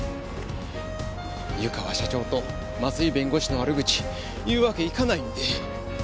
湯川社長と松井弁護士の悪口言うわけいかないんで。